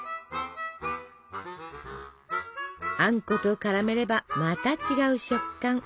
あんこと絡めればまた違う食感。